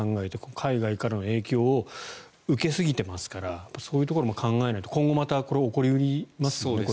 海外からの影響を受けすぎていますからそういうところも考えないと今後、また起こり得ますよね。